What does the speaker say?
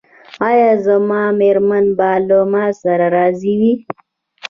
ایا زما میرمن به له ما څخه راضي وي؟